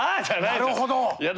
なるほど。